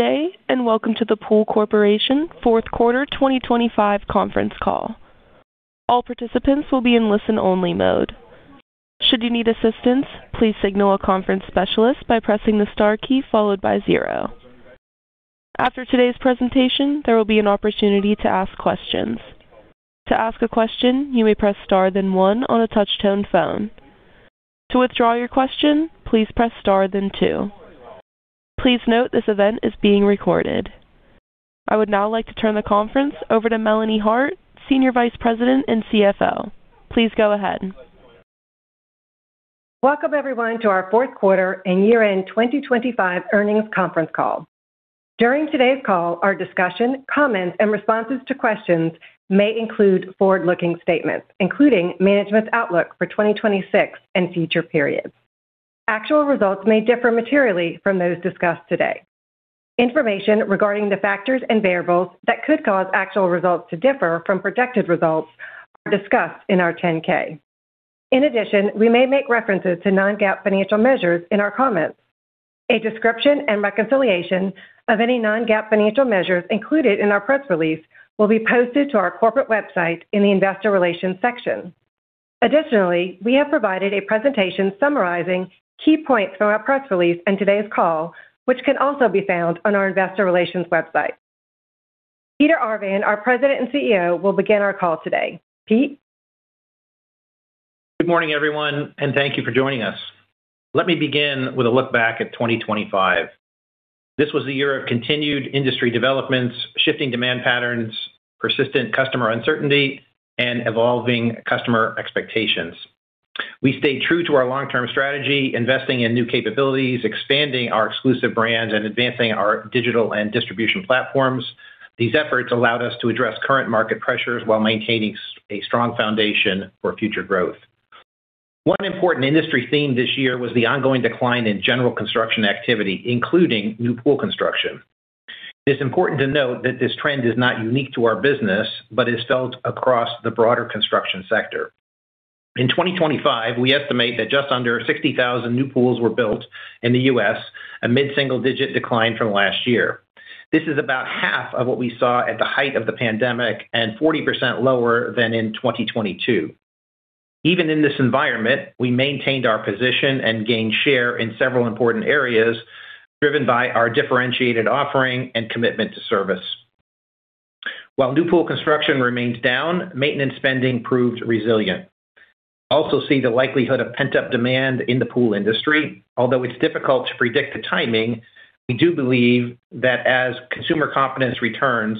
Good day, and welcome to the Pool Corporation Fourth Quarter 2025 conference call. All participants will be in listen-only mode. Should you need assistance, please signal a conference specialist by pressing the star key followed by zero. After today's presentation, there will be an opportunity to ask questions. To ask a question, you may press star then one on a touch-tone phone. To withdraw your question, please press star then two. Please note this event is being recorded. I would now like to turn the conference over to Melanie Hart, Senior Vice President and CFO. Please go ahead. Welcome, everyone, to our fourth quarter and year-end 2025 earnings conference call. During today's call, our discussion, comments, and responses to questions may include forward-looking statements, including management's outlook for 2026 and future periods. Actual results may differ materially from those discussed today. Information regarding the factors and variables that could cause actual results to differ from projected results are discussed in our 10-K. In addition, we may make references to non-GAAP financial measures in our comments. A description and reconciliation of any non-GAAP financial measures included in our press release will be posted to our corporate website in the Investor Relations section. Additionally, we have provided a presentation summarizing key points from our press release and today's call, which can also be found on our Investor Relations website. Peter Arvan, our President and Chief Executive Officer, will begin our call today. Pete? Good morning, everyone, and thank you for joining us. Let me begin with a look back at 2025. This was a year of continued industry developments, shifting demand patterns, persistent customer uncertainty, and evolving customer expectations. We stayed true to our long-term strategy, investing in new capabilities, expanding our exclusive brands, and advancing our digital and distribution platforms. These efforts allowed us to address current market pressures while maintaining a strong foundation for future growth. One important industry theme this year was the ongoing decline in general construction activity, including new pool construction. It's important to note that this trend is not unique to our business, but is felt across the broader construction sector. In 2025, we estimate that just under 60,000 new pools were built in the U.S., a mid-single-digit decline from last year. This is about half of what we saw at the height of the pandemic and 40% lower than in 2022. Even in this environment, we maintained our position and gained share in several important areas, driven by our differentiated offering and commitment to service. While new pool construction remains down, maintenance spending proved resilient. Also, we see the likelihood of pent-up demand in the pool industry, although it's difficult to predict the timing. We do believe that as consumer confidence returns,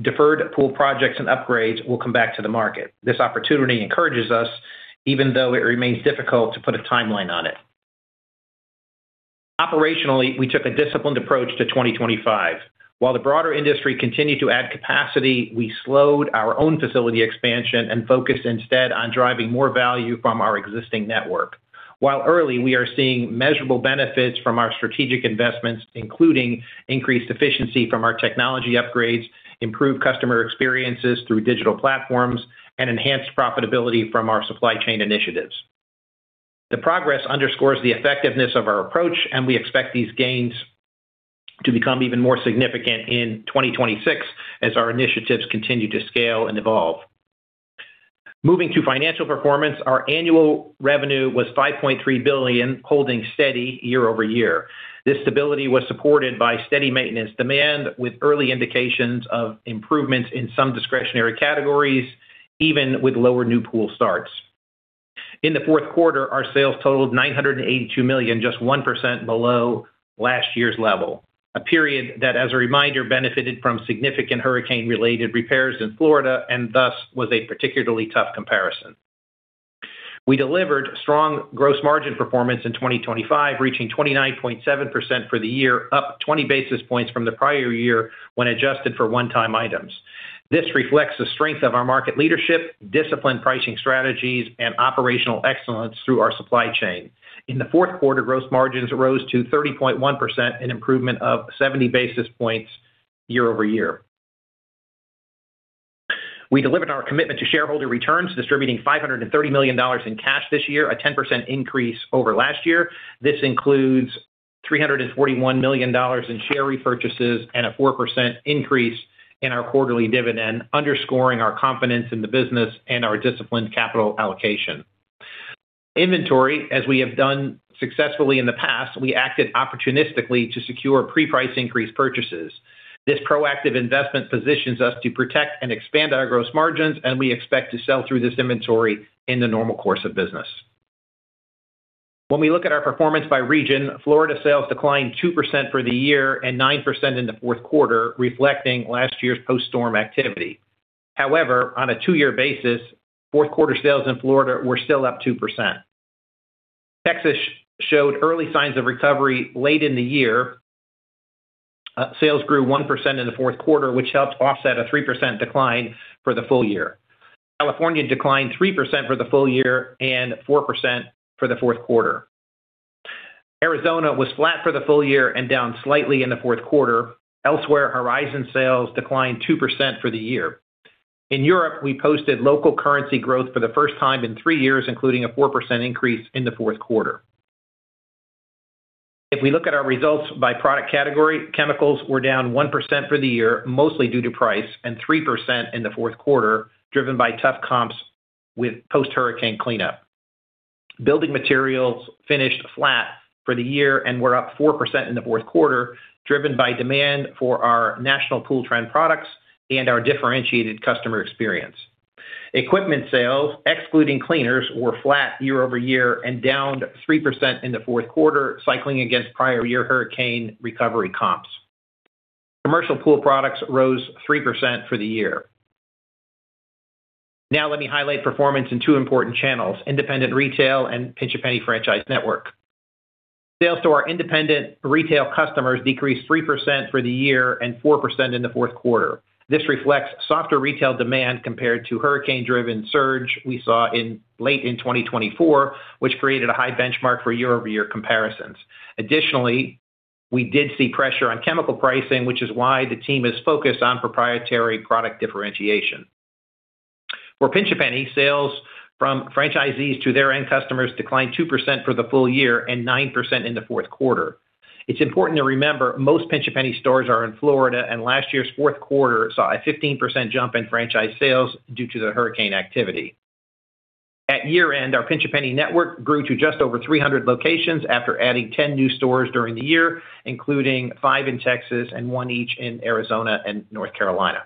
deferred pool projects and upgrades will come back to the market. This opportunity encourages us, even though it remains difficult to put a timeline on it. Operationally, we took a disciplined approach to 2025. While the broader industry continued to add capacity, we slowed our own facility expansion and focused instead on driving more value from our existing network. While early, we are seeing measurable benefits from our strategic investments, including increased efficiency from our technology upgrades, improved customer experiences through digital platforms, and enhanced profitability from our supply chain initiatives. The progress underscores the effectiveness of our approach, and we expect these gains to become even more significant in 2026 as our initiatives continue to scale and evolve. Moving to financial performance, our annual revenue was $5.3 billion, holding steady year-over-year. This stability was supported by steady maintenance demand, with early indications of improvements in some discretionary categories, even with lower new pool starts. In the fourth quarter, our sales totaled $982 million, just 1% below last year's level, a period that, as a reminder, benefited from significant hurricane-related repairs in Florida and thus was a particularly tough comparison. We delivered strong gross margin performance in 2025, reaching 29.7% for the year, up 20 basis points from the prior year when adjusted for one-time items. This reflects the strength of our market leadership, disciplined pricing strategies, and operational excellence through our supply chain. In the fourth quarter, gross margins rose to 30.1%, an improvement of 70 basis points year-over-year. We delivered our commitment to shareholder returns, distributing $530 million in cash this year, a 10% increase over last year. This includes $341 million in share repurchases and a 4% increase in our quarterly dividend, underscoring our confidence in the business and our disciplined capital allocation. Inventory, as we have done successfully in the past, we acted opportunistically to secure pre-price increase purchases. This proactive investment positions us to protect and expand our gross margins, and we expect to sell through this inventory in the normal course of business. When we look at our performance by region, Florida sales declined 2% for the year and 9% in the fourth quarter, reflecting last year's post-storm activity. However, on a two-year basis, fourth quarter sales in Florida were still up 2%. Texas showed early signs of recovery late in the year. Sales grew 1% in the fourth quarter, which helped offset a 3% decline for the full year. California declined 3% for the full year and 4% in the fourth quarter. Arizona was flat for the full year and down slightly in the fourth quarter. Elsewhere, Horizon sales declined 2% for the year.... In Europe, we posted local currency growth for the first time in 3 years, including a 4% increase in the fourth quarter. If we look at our results by product category, chemicals were down 1% for the year, mostly due to price, and 3% in the fourth quarter, driven by tough comps with post-hurricane cleanup. Building materials finished flat for the year and were up 4% in the fourth quarter, driven by demand for our national pool trend products and our differentiated customer experience. Equipment sales, excluding cleaners, were flat year-over-year and down 3% in the fourth quarter, cycling against prior year hurricane recovery comps. Commercial pool products rose 3% for the year. Now let me highlight performance in two important channels, independent retail and Pinch A Penny franchise network. Sales to our independent retail customers decreased 3% for the year and 4% in the fourth quarter. This reflects softer retail demand compared to hurricane-driven surge we saw in late 2024, which created a high benchmark for year-over-year comparisons. Additionally, we did see pressure on chemical pricing, which is why the team is focused on proprietary product differentiation. For Pinch A Penny, sales from franchisees to their end customers declined 2% for the full year and 9% in the fourth quarter. It's important to remember, most Pinch A Penny stores are in Florida, and last year's fourth quarter saw a 15% jump in franchise sales due to the hurricane activity. At year-end, our Pinch A Penny network grew to just over 300 locations after adding 10 new stores during the year, including 5 in Texas and 1 each in Arizona and North Carolina.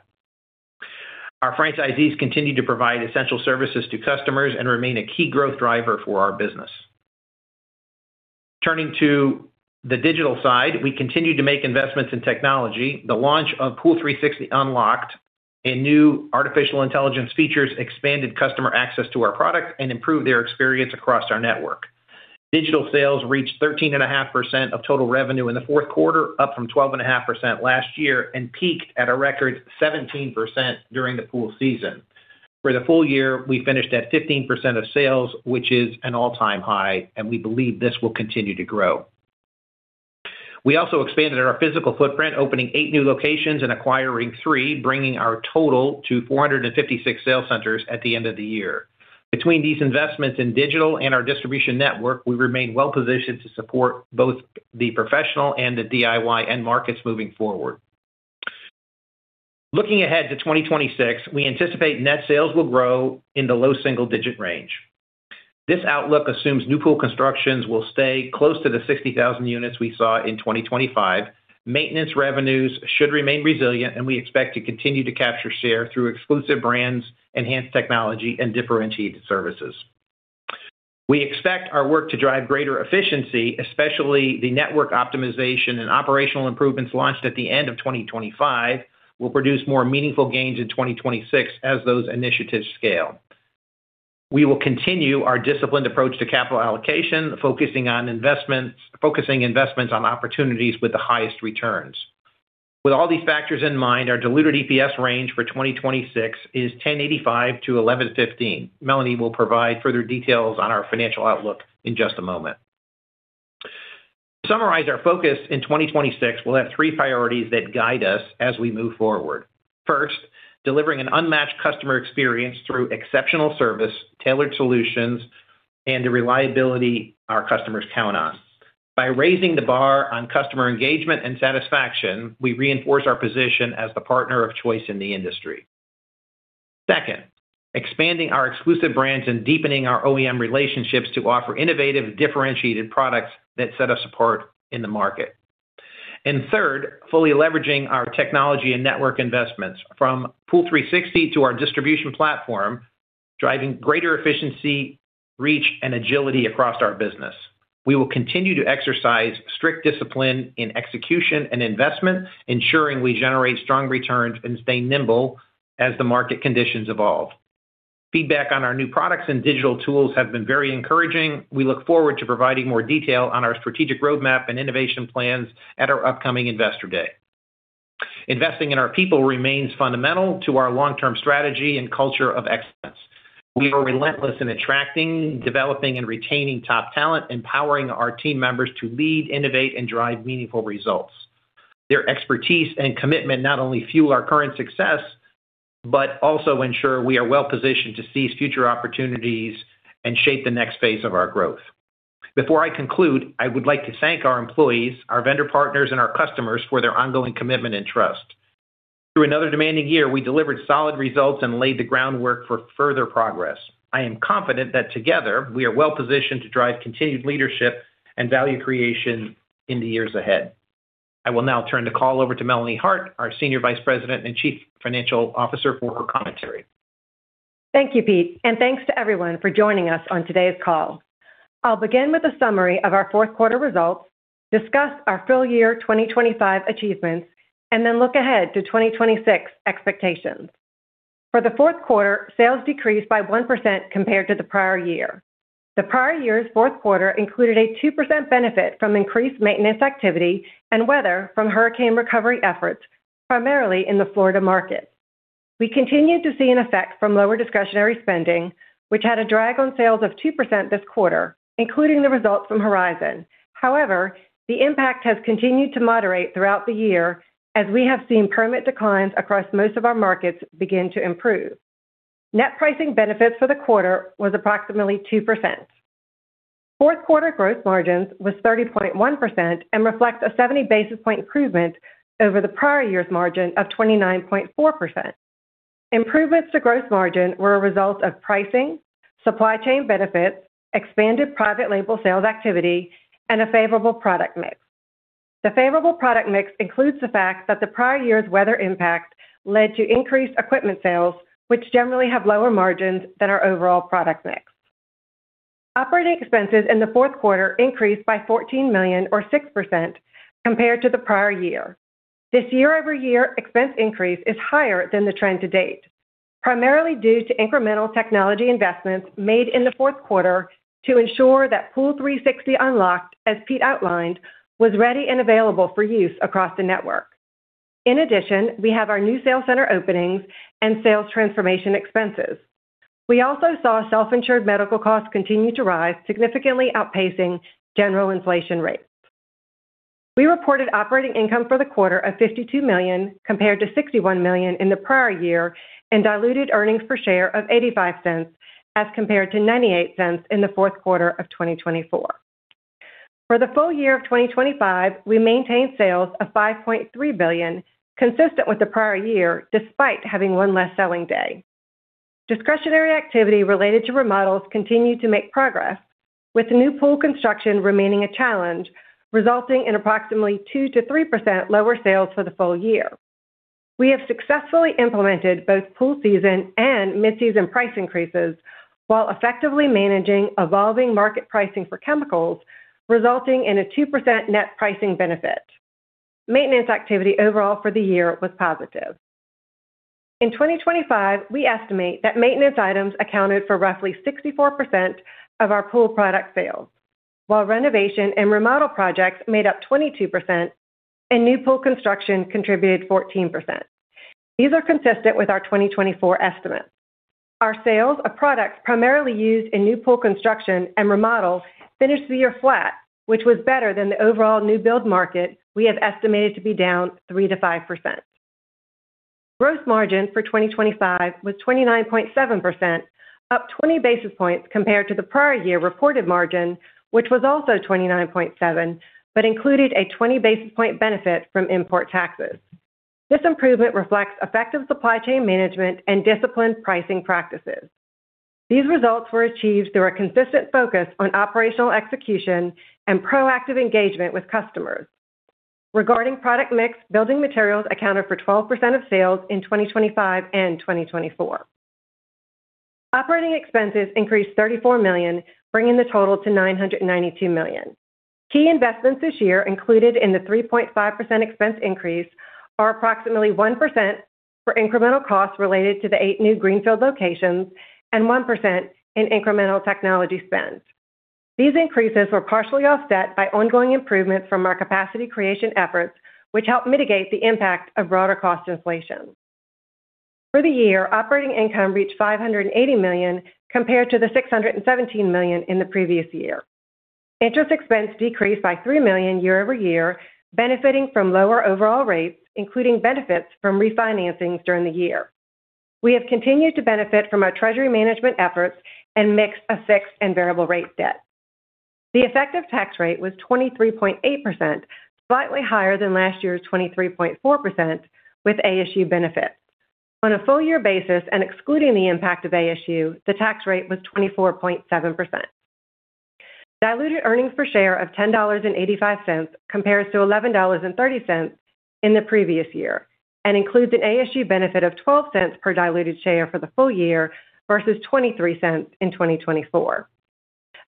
Our franchisees continue to provide essential services to customers and remain a key growth driver for our business. Turning to the digital side, we continued to make investments in technology. The launch of POOL360 Unlocked and new artificial intelligence features expanded customer access to our product and improved their experience across our network. Digital sales reached 13.5% of total revenue in the fourth quarter, up from 12.5% last year, and peaked at a record 17% during the pool season. For the full year, we finished at 15% of sales, which is an all-time high, and we believe this will continue to grow. We also expanded our physical footprint, opening 8 new locations and acquiring 3, bringing our total to 456 sales centers at the end of the year. Between these investments in digital and our distribution network, we remain well positioned to support both the professional and the DIY end markets moving forward. Looking ahead to 2026, we anticipate net sales will grow in the low single-digit range. This outlook assumes new pool constructions will stay close to the 60,000 units we saw in 2025. Maintenance revenues should remain resilient, and we expect to continue to capture share through exclusive brands, enhanced technology, and differentiated services. We expect our work to drive greater efficiency, especially the network optimization and operational improvements launched at the end of 2025, will produce more meaningful gains in 2026 as those initiatives scale. We will continue our disciplined approach to capital allocation, focusing investments on opportunities with the highest returns. With all these factors in mind, our diluted EPS range for 2026 is 10.85-11.15. Melanie will provide further details on our financial outlook in just a moment. To summarize, our focus in 2026 will have three priorities that guide us as we move forward. First, delivering an unmatched customer experience through exceptional service, tailored solutions, and the reliability our customers count on. By raising the bar on customer engagement and satisfaction, we reinforce our position as the partner of choice in the industry. Second, expanding our exclusive brands and deepening our OEM relationships to offer innovative, differentiated products that set us apart in the market. Third, fully leveraging our technology and network investments from POOL360 to our distribution platform, driving greater efficiency, reach, and agility across our business. We will continue to exercise strict discipline in execution and investment, ensuring we generate strong returns and stay nimble as the market conditions evolve. Feedback on our new products and digital tools has been very encouraging. We look forward to providing more detail on our strategic roadmap and innovation plans at our upcoming Investor Day. Investing in our people remains fundamental to our long-term strategy and culture of excellence. We are relentless in attracting, developing, and retaining top talent, empowering our team members to lead, innovate, and drive meaningful results. Their expertise and commitment not only fuel our current success, but also ensure we are well positioned to seize future opportunities and shape the next phase of our growth. Before I conclude, I would like to thank our employees, our vendor partners, and our customers for their ongoing commitment and trust. Through another demanding year, we delivered solid results and laid the groundwork for further progress. I am confident that together, we are well positioned to drive continued leadership and value creation in the years ahead. I will now turn the call over to Melanie Hart, our Senior Vice President and Chief Financial Officer, for her commentary. Thank you, Pete, and thanks to everyone for joining us on today's call. I'll begin with a summary of our fourth quarter results, discuss our full year 2025 achievements, and then look ahead to 2026 expectations. For the fourth quarter, sales decreased by 1% compared to the prior year. The prior year's fourth quarter included a 2% benefit from increased maintenance activity and weather from hurricane recovery efforts, primarily in the Florida market. We continued to see an effect from lower discretionary spending, which had a drag on sales of 2% this quarter, including the results from Horizon. However, the impact has continued to moderate throughout the year as we have seen permit declines across most of our markets begin to improve. Net pricing benefits for the quarter was approximately 2%.... Fourth quarter gross margins was 30.1% and reflects a 70 basis point improvement over the prior year's margin of 29.4%. Improvements to gross margin were a result of pricing, supply chain benefits, expanded Private Label sales activity, and a favorable product mix. The favorable product mix includes the fact that the prior year's weather impact led to increased equipment sales, which generally have lower margins than our overall product mix. Operating expenses in the fourth quarter increased by $14 million or 6% compared to the prior year. This year-over-year expense increase is higher than the trend to date, primarily due to incremental technology investments made in the fourth quarter to ensure that POOL360 Unlocked, as Pete outlined, was ready and available for use across the network. In addition, we have our new sales center openings and sales transformation expenses. We also saw self-insured medical costs continue to rise, significantly outpacing general inflation rates. We reported operating income for the quarter of $52 million, compared to $61 million in the prior year, and diluted earnings per share of $0.85, as compared to $0.98 in the fourth quarter of 2024. For the full year of 2025, we maintained sales of $5.3 billion, consistent with the prior year, despite having one less selling day. Discretionary activity related to remodels continued to make progress, with new pool construction remaining a challenge, resulting in approximately 2%-3% lower sales for the full year. We have successfully implemented both pool season and mid-season price increases while effectively managing evolving market pricing for chemicals, resulting in a 2% net pricing benefit. Maintenance activity overall for the year was positive. In 2025, we estimate that maintenance items accounted for roughly 64% of our pool product sales, while renovation and remodel projects made up 22%, and new pool construction contributed 14%. These are consistent with our 2024 estimates. Our sales of products primarily used in new pool construction and remodels finished the year flat, which was better than the overall new build market we have estimated to be down 3%-5%. Gross margin for 2025 was 29.7%, up 20 basis points compared to the prior year reported margin, which was also 29.7, but included a 20 basis point benefit from import taxes. This improvement reflects effective supply chain management and disciplined pricing practices. These results were achieved through a consistent focus on operational execution and proactive engagement with customers. Regarding product mix, building materials accounted for 12% of sales in 2025 and 2024. Operating expenses increased $34 million, bringing the total to $992 million. Key investments this year included in the 3.5% expense increase are approximately 1% for incremental costs related to the 8 new greenfield locations and 1% in incremental technology spend. These increases were partially offset by ongoing improvements from our capacity creation efforts, which helped mitigate the impact of broader cost inflation. For the year, operating income reached $580 million, compared to the $617 million in the previous year. Interest expense decreased by $3 million year-over-year, benefiting from lower overall rates, including benefits from refinancings during the year. We have continued to benefit from our treasury management efforts and mix of fixed and variable rate debt. The effective tax rate was 23.8%, slightly higher than last year's 23.4% with ASU benefits. On a full year basis and excluding the impact of ASU, the tax rate was 24.7%. Diluted earnings per share of $10.85 compares to $11.30 in the previous year and includes an ASU benefit of $0.12 per diluted share for the full year versus $0.23 in 2024.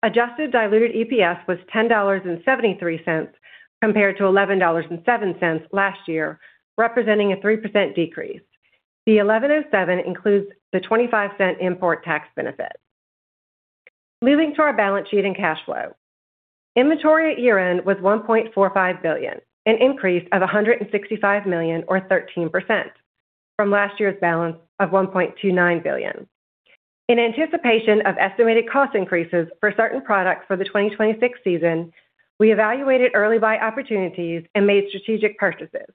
Adjusted diluted EPS was $10.73, compared to $11.07 last year, representing a 3% decrease. The $11.07 includes the $0.25 import tax benefit. Moving to our balance sheet and cash flow. Inventory at year-end was $1.45 billion, an increase of $165 million or 13% from last year's balance of $1.29 billion. In anticipation of estimated cost increases for certain products for the 2026 season, we evaluated early buy opportunities and made strategic purchases.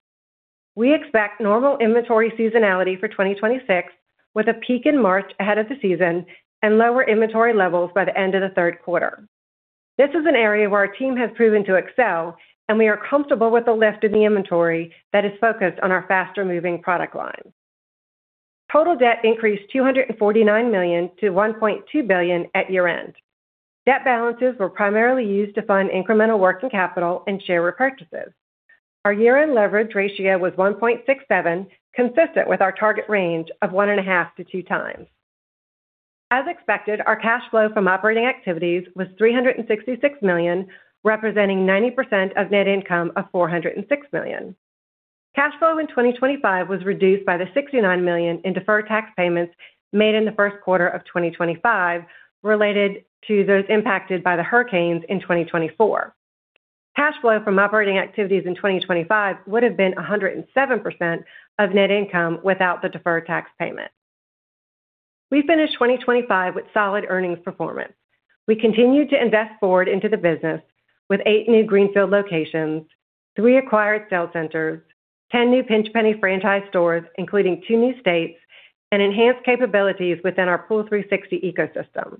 We expect normal inventory seasonality for 2026, with a peak in March ahead of the season and lower inventory levels by the end of the third quarter. This is an area where our team has proven to excel, and we are comfortable with the lift in the inventory that is focused on our faster-moving product line. Total debt increased $249 million-$1.2 billion at year-end. Debt balances were primarily used to fund incremental working capital and share repurchases. Our year-end leverage ratio was 1.67, consistent with our target range of 1.5x-2x. As expected, our cash flow from operating activities was $366 million, representing 90% of net income of $406 million. Cash flow in 2025 was reduced by the $69 million in deferred tax payments made in the first quarter of 2025, related to those impacted by the hurricanes in 2024. Cash flow from operating activities in 2025 would have been 107% of net income without the deferred tax payment. We finished 2025 with solid earnings performance. We continued to invest forward into the business with 8 new greenfield locations, 3 acquired sales centers, 10 new Pinch A Penny franchise stores, including 2 new states,... and enhance capabilities within our Pool360 ecosystem.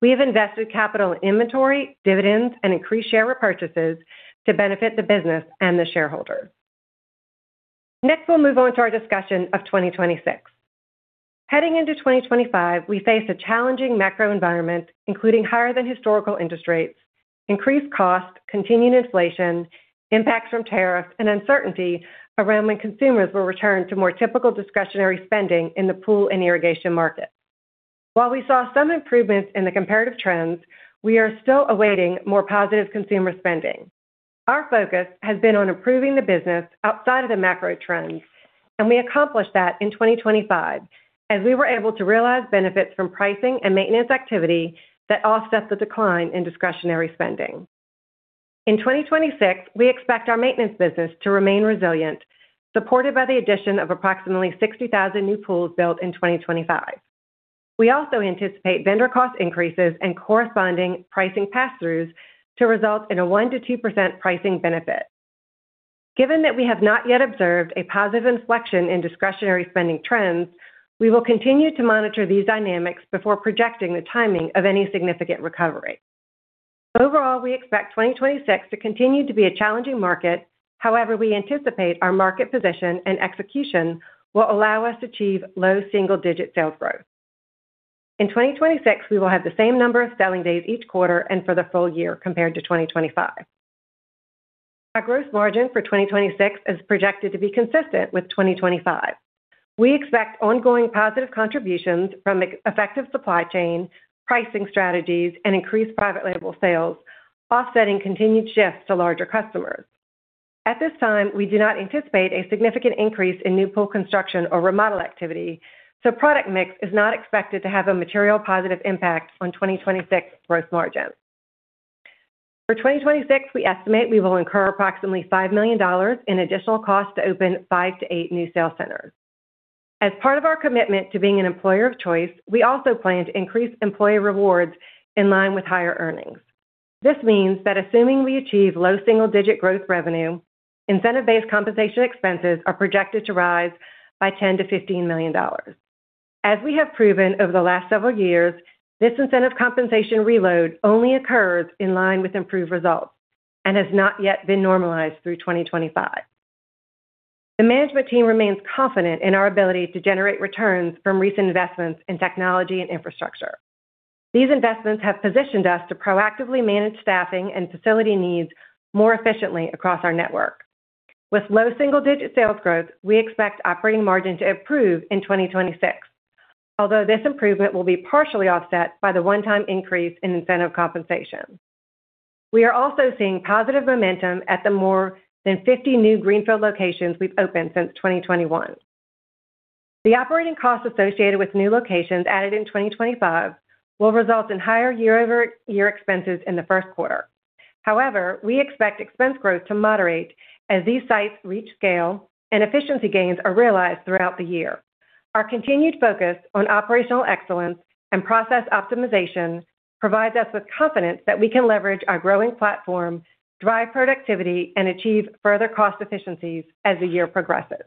We have invested capital in inventory, dividends, and increased share repurchases to benefit the business and the shareholders. Next, we'll move on to our discussion of 2026. Heading into 2025, we face a challenging macro environment, including higher than historical interest rates, increased costs, continuing inflation, impacts from tariffs, and uncertainty around when consumers will return to more typical discretionary spending in the pool and irrigation markets. While we saw some improvements in the comparative trends, we are still awaiting more positive consumer spending. Our focus has been on improving the business outside of the macro trends, and we accomplished that in 2025, as we were able to realize benefits from pricing and maintenance activity that offset the decline in discretionary spending. In 2026, we expect our maintenance business to remain resilient, supported by the addition of approximately 60,000 new pools built in 2025. We also anticipate vendor cost increases and corresponding pricing pass-throughs to result in a 1%-2% pricing benefit. Given that we have not yet observed a positive inflection in discretionary spending trends, we will continue to monitor these dynamics before projecting the timing of any significant recovery. Overall, we expect 2026 to continue to be a challenging market. However, we anticipate our market position and execution will allow us to achieve low single-digit sales growth. In 2026, we will have the same number of selling days each quarter and for the full year compared to 2025. Our gross margin for 2026 is projected to be consistent with 2025. We expect ongoing positive contributions from the effective supply chain, pricing strategies, and increased private label sales, offsetting continued shifts to larger customers. At this time, we do not anticipate a significant increase in new pool construction or remodel activity, so product mix is not expected to have a material positive impact on 2026 gross margin. For 2026, we estimate we will incur approximately $5 million in additional costs to open 5-8 new sales centers. As part of our commitment to being an employer of choice, we also plan to increase employee rewards in line with higher earnings. This means that assuming we achieve low single-digit growth revenue, incentive-based compensation expenses are projected to rise by $10 million -$15 million. As we have proven over the last several years, this incentive compensation reload only occurs in line with improved results and has not yet been normalized through 2025. The management team remains confident in our ability to generate returns from recent investments in technology and infrastructure. These investments have positioned us to proactively manage staffing and facility needs more efficiently across our network. With low single-digit sales growth, we expect operating margin to improve in 2026, although this improvement will be partially offset by the one-time increase in incentive compensation. We are also seeing positive momentum at the more than 50 new greenfield locations we've opened since 2021. The operating costs associated with new locations added in 2025 will result in higher year-over-year expenses in the first quarter. However, we expect expense growth to moderate as these sites reach scale and efficiency gains are realized throughout the year. Our continued focus on operational excellence and process optimization provides us with confidence that we can leverage our growing platform, drive productivity, and achieve further cost efficiencies as the year progresses.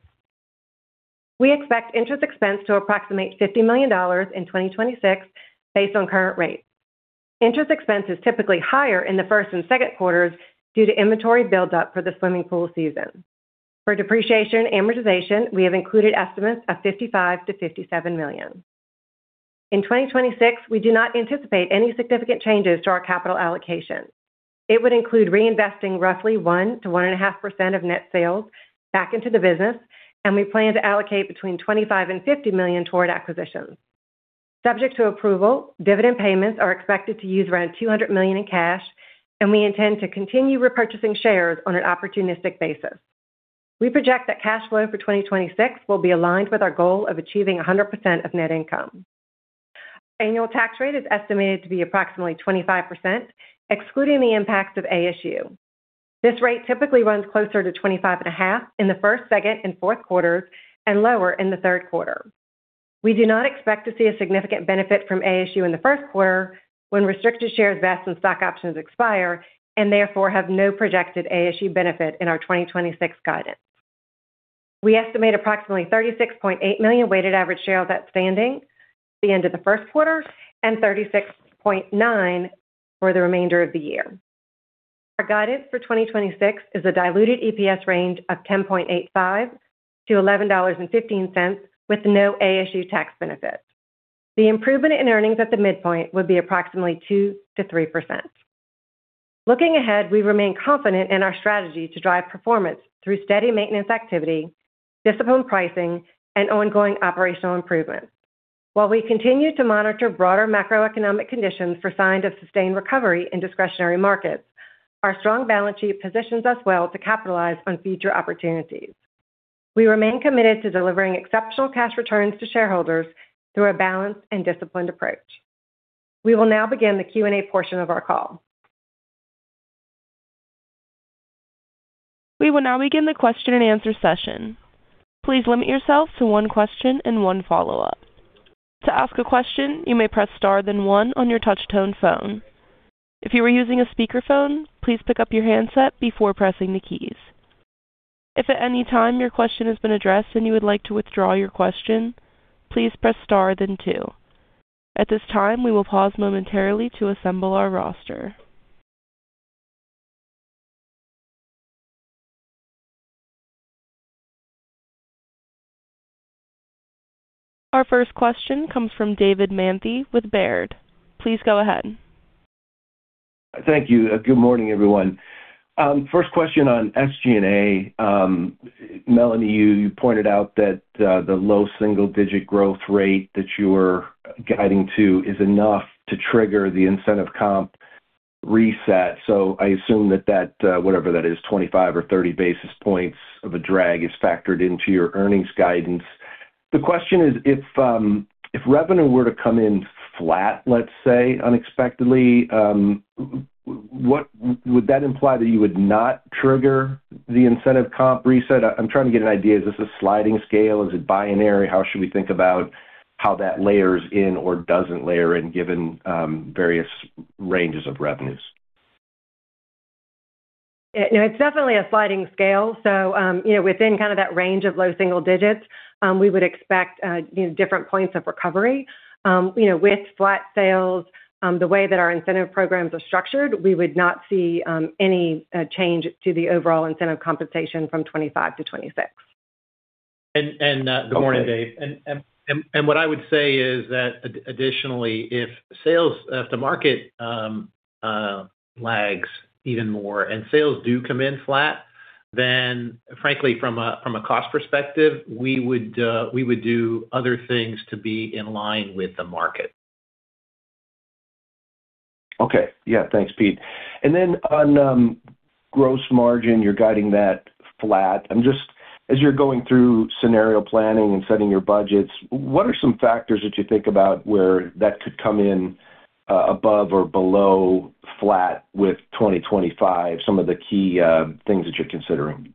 We expect interest expense to approximate $50 million in 2026, based on current rates. Interest expense is typically higher in the first and second quarters due to inventory buildup for the swimming pool season. For depreciation, amortization, we have included estimates of $55 million-$57 million. In 2026, we do not anticipate any significant changes to our capital allocation. It would include reinvesting roughly 1%-1.5% of net sales back into the business, and we plan to allocate between $25 million and $50 million toward acquisitions. Subject to approval, dividend payments are expected to use around $200 million in cash, and we intend to continue repurchasing shares on an opportunistic basis. We project that cash flow for 2026 will be aligned with our goal of achieving 100% of net income. Annual tax rate is estimated to be approximately 25%, excluding the impacts of ASU. This rate typically runs closer to 25.5 in the first, second, and fourth quarters and lower in the third quarter. We do not expect to see a significant benefit from ASU in the first quarter when restricted shares vests and stock options expire, and therefore have no projected ASU benefit in our 2026 guidance. We estimate approximately 36.8 million weighted average shares outstanding at the end of the first quarter, and 36.9 for the remainder of the year. Our guidance for 2026 is a diluted EPS range of $10.85-$11.15, with no ASU tax benefit. The improvement in earnings at the midpoint would be approximately 2%-3%. Looking ahead, we remain confident in our strategy to drive performance through steady maintenance activity, disciplined pricing, and ongoing operational improvements. While we continue to monitor broader macroeconomic conditions for signs of sustained recovery in discretionary markets, our strong balance sheet positions us well to capitalize on future opportunities. We remain committed to delivering exceptional cash returns to shareholders through a balanced and disciplined approach. We will now begin the Q&A portion of our call. We will now begin the question and answer session. Please limit yourself to one question and one follow-up. To ask a question, you may press star, then one on your touchtone phone. If you are using a speakerphone, please pick up your handset before pressing the keys. If at any time your question has been addressed and you would like to withdraw your question, please press star, then two. At this time, we will pause momentarily to assemble our roster. Our first question comes from David Manthey with Baird. Please go ahead. Thank you. Good morning, everyone. First question on SG&A. Melanie, you pointed out that the low single-digit growth rate that you were guiding to is enough to trigger the incentive comp reset. So I assume that whatever that is, 25 or 30 basis points of a drag is factored into your earnings guidance. The question is, if revenue were to come in flat, let's say unexpectedly, what would that imply that you would not trigger the incentive comp reset? I'm trying to get an idea. Is this a sliding scale? Is it binary? How should we think about how that layers in or doesn't layer in, given various ranges of revenues? It's definitely a sliding scale. So, you know, within kind of that range of low single digits, we would expect different points of recovery. You know, with flat sales, the way that our incentive programs are structured, we would not see any change to the overall incentive compensation from 2025 to 2026. Good morning, Dave. What I would say is that additionally, if the market lags even more and sales do come in flat, then frankly, from a cost perspective, we would do other things to be in line with the market. Okay. Yeah, thanks, Pete. And then on gross margin, you're guiding that flat. I'm just... As you're going through scenario planning and setting your budgets, what are some factors that you think about where that could come in above or below flat with 2025, some of the key things that you're considering?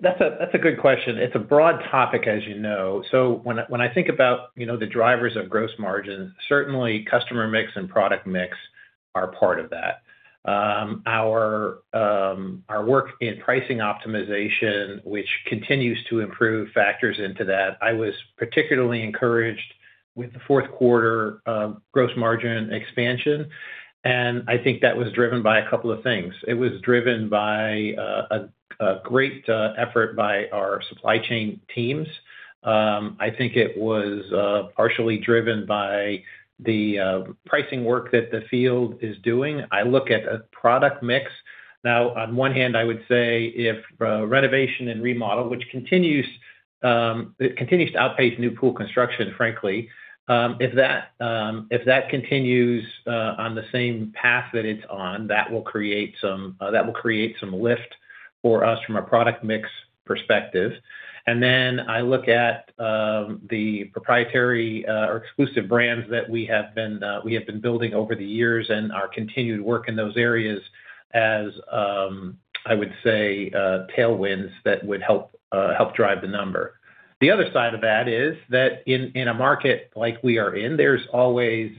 That's a good question. It's a broad topic, as you know. So when I, when I think about, you know, the drivers of gross margin, certainly customer mix and product mix are part of that. Our work in pricing optimization, which continues to improve, factors into that. I was particularly encouraged with the fourth quarter gross margin expansion, and I think that was driven by a couple of things. It was driven by a great effort by our supply chain teams. I think it was partially driven by the pricing work that the field is doing. I look at a product mix. Now, on one hand, I would say renovation and remodel, which continues, it continues to outpace new pool construction, frankly. If that continues on the same path that it's on, that will create some lift for us from a product mix perspective. And then I look at the proprietary or exclusive brands that we have been building over the years and our continued work in those areas as I would say tailwinds that would help drive the number. The other side of that is that in a market like we are in, there's always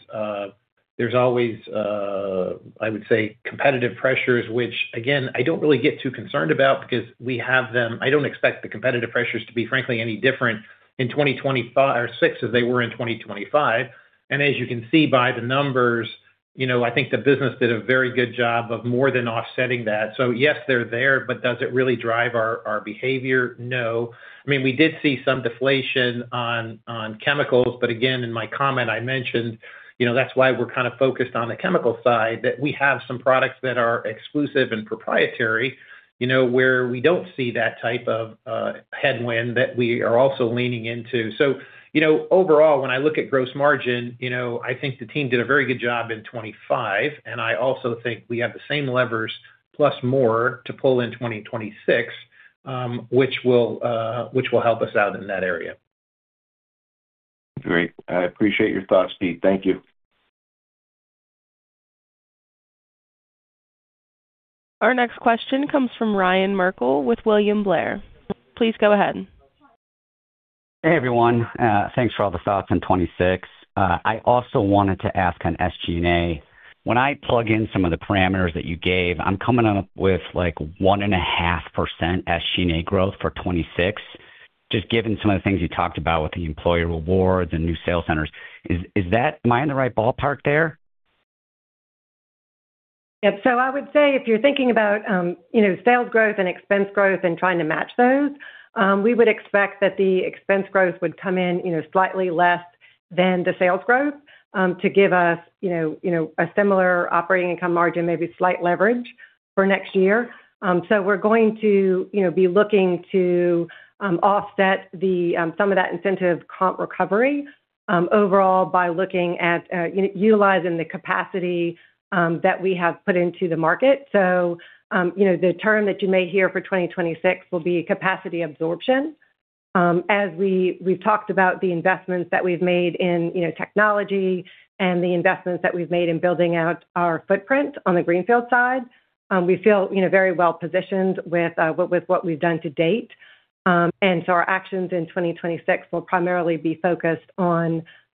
I would say competitive pressures, which again, I don't really get too concerned about because we have them. I don't expect the competitive pressures to be, frankly, any different in 2025 or 2026 as they were in 2025. As you can see by the numbers, you know, I think the business did a very good job of more than offsetting that. So yes, they're there, but does it really drive our behavior? No. I mean, we did see some deflation on chemicals, but again, in my comment, I mentioned, you know, that's why we're kind of focused on the chemical side, that we have some products that are exclusive and proprietary, you know, where we don't see that type of headwind that we are also leaning into. So, you know, overall, when I look at gross margin, you know, I think the team did a very good job in 2025, and I also think we have the same levers plus more to pull in 2026, which will help us out in that area. Great. I appreciate your thoughts, Pete. Thank you. Our next question comes from Ryan Merkel with William Blair. Please go ahead. Hey, everyone. Thanks for all the thoughts on 2026. I also wanted to ask on SG&A. When I plug in some of the parameters that you gave, I'm coming up with, like, 1.5% SG&A growth for 2026. Just given some of the things you talked about with the employee rewards and new sales centers, is, is that-- am I in the right ballpark there? Yeah. So I would say if you're thinking about, you know, sales growth and expense growth and trying to match those, we would expect that the expense growth would come in, you know, slightly less than the sales growth, to give us, you know, you know, a similar operating income margin, maybe slight leverage for next year. So we're going to, you know, be looking to, offset the, some of that incentive comp recovery, overall, by looking at, utilizing the capacity, that we have put into the market. So, you know, the term that you may hear for 2026 will be capacity absorption. As we've talked about the investments that we've made in, you know, technology and the investments that we've made in building out our footprint on the Greenfield side, we feel, you know, very well positioned with what we've done to date. ... and so our actions in 2026 will primarily be focused on,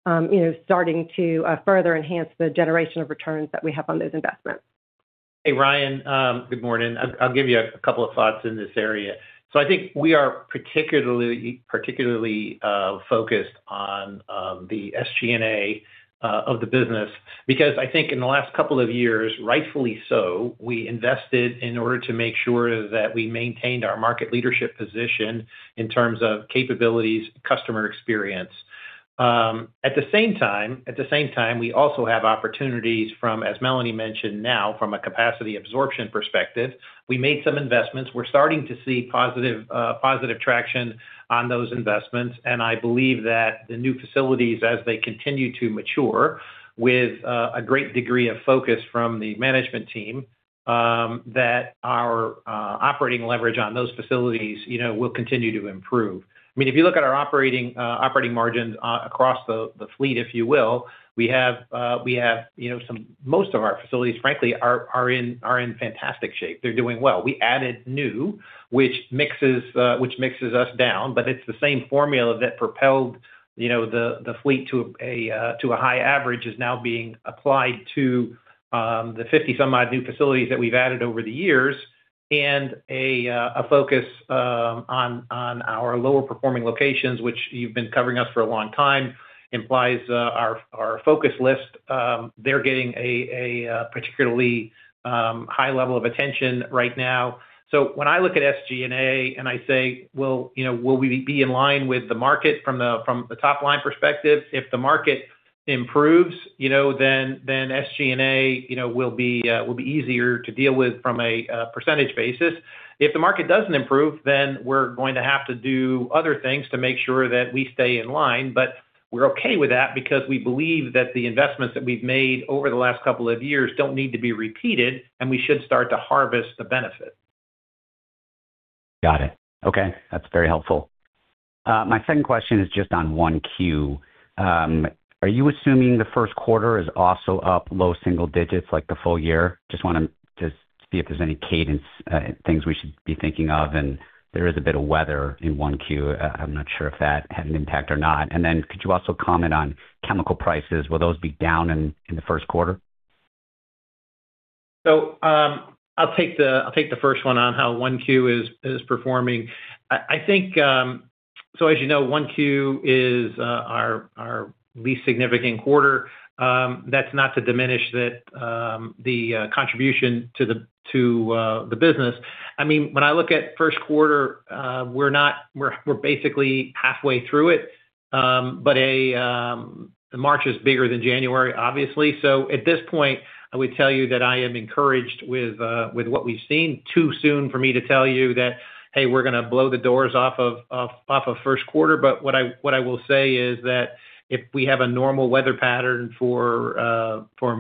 you know, starting to further enhance the generation of returns that we have on those investments. Hey, Ryan, good morning. I'll give you a couple of thoughts in this area. So I think we are particularly focused on the SG&A of the business, because I think in the last couple of years, rightfully so, we invested in order to make sure that we maintained our market leadership position in terms of capabilities, customer experience. At the same time, we also have opportunities from, as Melanie mentioned, now, from a capacity absorption perspective. We made some investments. We're starting to see positive traction on those investments, and I believe that the new facilities, as they continue to mature with a great degree of focus from the management team, that our operating leverage on those facilities, you know, will continue to improve. I mean, if you look at our operating margins across the fleet, if you will, we have, you know, most of our facilities, frankly, are in fantastic shape. They're doing well. We added new, which mixes us down, but it's the same formula that propelled, you know, the fleet to a high average, is now being applied to the 50-some-odd new facilities that we've added over the years. And a focus on our lower performing locations, which you've been covering us for a long time, implies our Focus List. They're getting a particularly high level of attention right now. So when I look at SG&A and I say: Well, you know, will we be in line with the market from the, from the top line perspective? If the market improves, you know, then, then SG&A, you know, will be, will be easier to deal with from a, percentage basis. If the market doesn't improve, then we're going to have to do other things to make sure that we stay in line. But we're okay with that because we believe that the investments that we've made over the last couple of years don't need to be repeated, and we should start to harvest the benefit. Got it. Okay, that's very helpful. My second question is just on 1Q. Are you assuming the first quarter is also up low single digits, like the full year? Just wanna see if there's any cadence things we should be thinking of, and there is a bit of weather in 1Q. I'm not sure if that had an impact or not. And then could you also comment on chemical prices? Will those be down in the first quarter? So, I'll take the first one on how 1Q is performing. I think, so as you know, 1Q is our least significant quarter. That's not to diminish the contribution to the business. I mean, when I look at first quarter, we're basically halfway through it. But March is bigger than January, obviously. So at this point, I would tell you that I am encouraged with what we've seen. Too soon for me to tell you that, "Hey, we're gonna blow the doors off of first quarter." But what I will say is that if we have a normal weather pattern for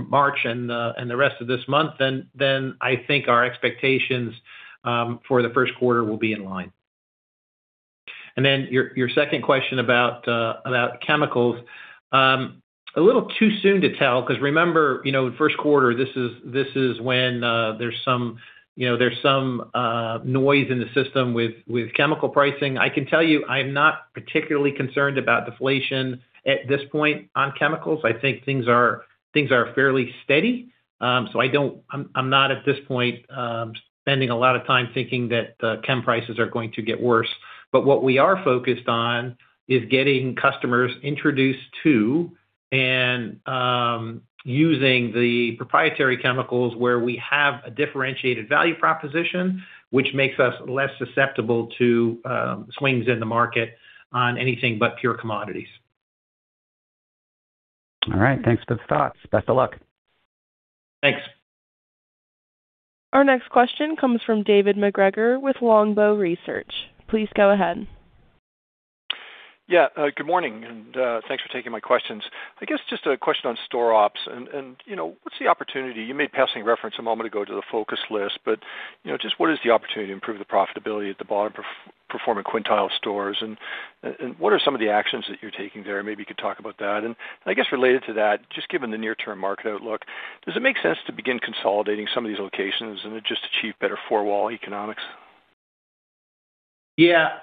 March and the rest of this month, then I think our expectations for the first quarter will be in line. And then your second question about chemicals. A little too soon to tell, 'cause remember, you know, first quarter, this is when there's some, you know, there's some noise in the system with chemical pricing. I can tell you, I'm not particularly concerned about deflation at this point on chemicals. I think things are fairly steady. So I'm not at this point spending a lot of time thinking that the chem prices are going to get worse. But what we are focused on is getting customers introduced to, and using the proprietary chemicals where we have a differentiated value proposition, which makes us less susceptible to swings in the market on anything but pure commodities. All right. Thanks for the thoughts. Best of luck. Thanks. Our next question comes from David MacGregor with Longbow Research. Please go ahead. Yeah, good morning, and thanks for taking my questions. I guess just a question on store ops and, you know, what's the opportunity? You made passing reference a moment ago to the Focus List, but, you know, just what is the opportunity to improve the profitability at the bottom-performing quintile stores, and what are some of the actions that you're taking there? Maybe you could talk about that. And I guess related to that, just given the near-term market outlook, does it make sense to begin consolidating some of these locations and then just achieve better four-wall economics? Yeah.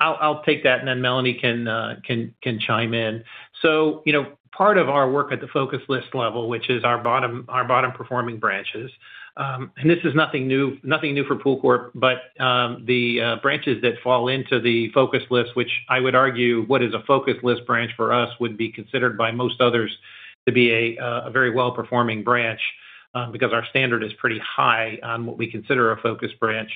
I'll take that, and then Melanie can chime in. So, you know, part of our work at the Focus List level, which is our bottom-performing branches. And this is nothing new, nothing new for PoolCorp, but the branches that fall into the Focus List, which I would argue, what is a Focus List branch for us, would be considered by most others to be a very well-performing branch, because our standard is pretty high on what we consider a Focus branch.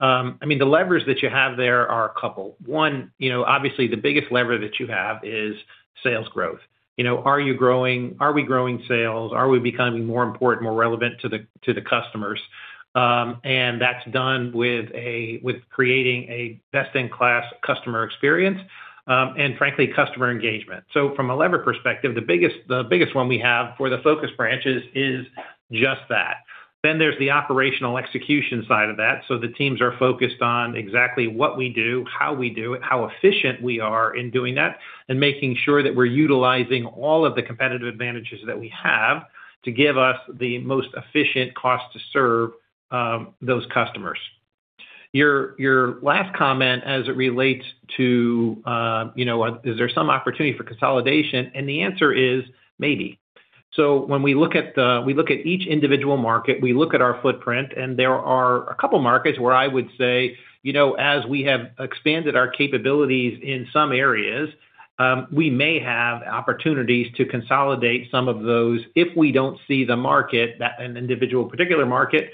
I mean, the levers that you have there are a couple. One, you know, obviously, the biggest lever that you have is sales growth. You know, are you growing? Are we growing sales? Are we becoming more important, more relevant to the customers? That's done with a, with creating a best-in-class customer experience, and frankly, customer engagement. From a lever perspective, the biggest, the biggest one we have for the focus branches is just that. There's the operational execution side of that. The teams are focused on exactly what we do, how we do it, how efficient we are in doing that, and making sure that we're utilizing all of the competitive advantages that we have, to give us the most efficient cost to serve those customers. Your, your last comment as it relates to, you know, is there some opportunity for consolidation? The answer is maybe. So when we look at the, we look at each individual market, we look at our footprint, and there are a couple markets where I would say, you know, as we have expanded our capabilities in some areas, we may have opportunities to consolidate some of those if we don't see the market, an individual particular market,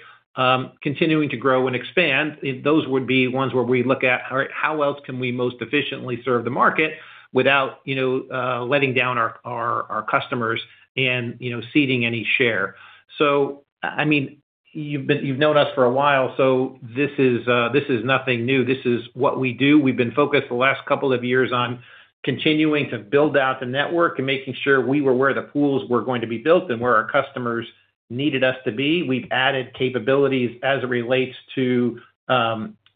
continuing to grow and expand. Those would be ones where we look at, all right, how else can we most efficiently serve the market without, you know, letting down our, our, our customers and, you know, ceding any share? So, I mean, you've known us for a while, so this is, this is nothing new. This is what we do. We've been focused the last couple of years on continuing to build out the network and making sure we were where the pools were going to be built and where our customers needed us to be. We've added capabilities as it relates to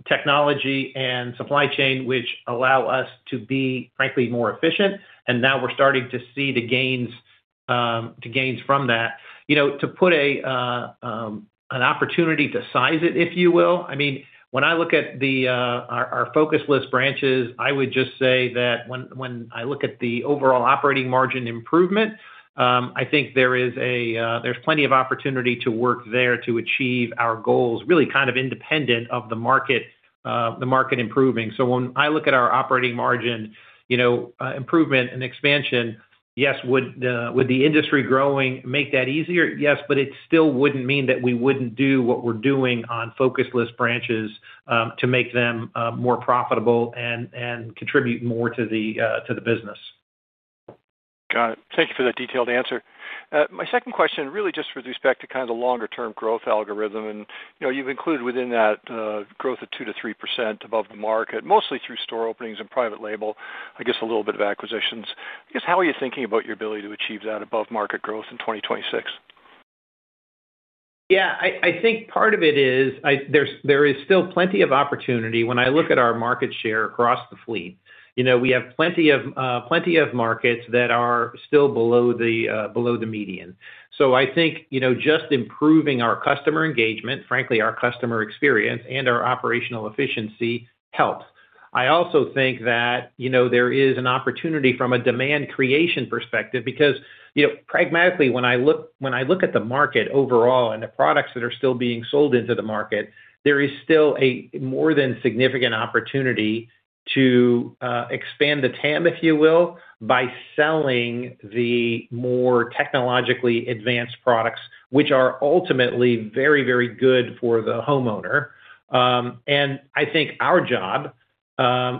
technology and supply chain, which allow us to be, frankly, more efficient. And now we're starting to see the gains, the gains from that. You know, to put an opportunity to size it, if you will. I mean, when I look at our Focus List branches, I would just say that when I look at the overall Operating Margin improvement, I think there is a, there's plenty of opportunity to work there to achieve our goals, really kind of independent of the market, the market improving. So when I look at our operating margin, you know, improvement and expansion, yes, would the industry growing make that easier? Yes, but it still wouldn't mean that we wouldn't do what we're doing on Focus List branches, to make them more profitable and contribute more to the business. Got it. Thank you for that detailed answer. My second question really just reduces back to kind of the longer-term growth algorithm. You know, you've included within that, growth of 2%-3% above the market, mostly through store openings and private label, I guess, a little bit of acquisitions. I guess, how are you thinking about your ability to achieve that above-market growth in 2026? Yeah, I think part of it is, there's still plenty of opportunity. When I look at our market share across the fleet, you know, we have plenty of markets that are still below the median. So I think, you know, just improving our customer engagement, frankly, our customer experience and our operational efficiency helps. I also think that, you know, there is an opportunity from a demand creation perspective, because, you know, pragmatically, when I look at the market overall and the products that are still being sold into the market, there is still a more than significant opportunity to expand the TAM, if you will, by selling the more technologically advanced products, which are ultimately very, very good for the homeowner. And I think our job